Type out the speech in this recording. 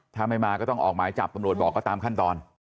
ถ้าไม่มาก็ต้องออกหมายจับตำรวจบอกก็ตามขั้นตอน